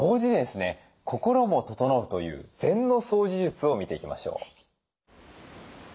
心も整うという禅の掃除術を見ていきましょう。